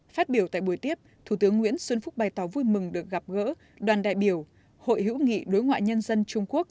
phát biểu tại buổi tiếp thủ tướng nguyễn xuân phúc bày tỏ vui mừng được gặp gỡ đoàn đại biểu hội hữu nghị đối ngoại nhân dân trung quốc